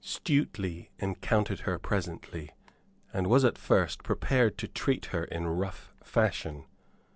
Stuteley encountered her presently, and was at first prepared to treat her in rough fashion.